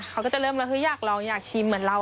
เขาก็จะเริ่มแล้วอยากลองอยากชิมเหมือนเรา